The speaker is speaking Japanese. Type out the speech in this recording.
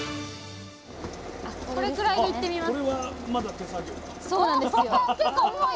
これくらいでいってみます。